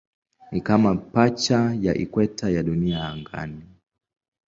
Ni kama pacha ya ikweta ya Dunia angani.